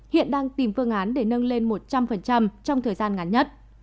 hiện đang tìm phương án để nâng lên một trăm linh trong thời gian ngắn nhất